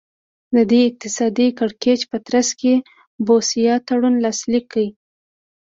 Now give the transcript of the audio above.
د دې اقتصادي کړکېچ په ترڅ کې بوسیا تړون لاسلیک کړ.